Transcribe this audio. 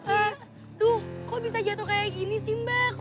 aduh kok bisa jatuh kayak gini sih mbak